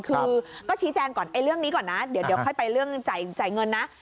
คือก็ชี้แจงก่อนเรื่องนี้ก่อนนะเดี๋ยวค่อยไปเรื่องจ่ายเงินนะ